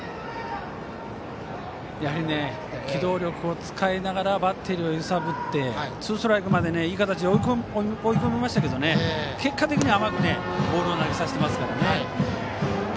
やはり機動力を使いながらバッテリーを揺さぶってツーストライクまでいい形に追い込みましたが結果的に甘くボールを投げさせていますね。